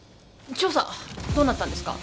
調査どうなったんですか？